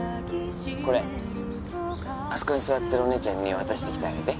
これあそこに座ってるお姉ちゃんに渡してきてあげて